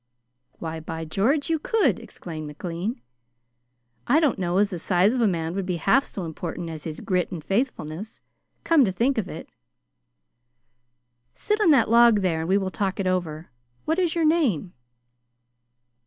"Why, by George, you could!" exclaimed McLean. "I don't know as the size of a man would be half so important as his grit and faithfulness, come to think of it. Sit on that log there and we will talk it over. What is your name?"